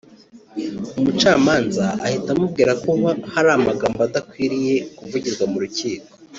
Umucamanza ahita amubwira ko hari amagambo adakwiye kuvugirwa mu rukiko